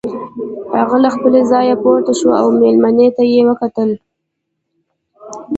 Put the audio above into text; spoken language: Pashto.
هغه له خپله ځايه پورته شو او مېلمنې ته يې وکتل.